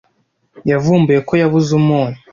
Yavumbuye ko yabuze umunyu.